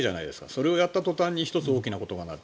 それをやった途端に１つ大きなことになる。